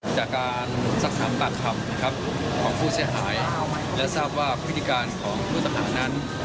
แล้วก็พฤติการที่ก็ทำนั้นเหมือนในหนังเรื่องแบทแมน